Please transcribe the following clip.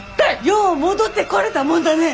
よう戻ってこれたもんだね。